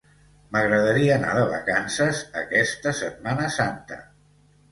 M'agradaria anar de vacances aquesta Setmana Santa.